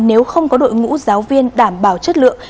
nếu không có đội ngũ giáo viên đảm bảo chất lượng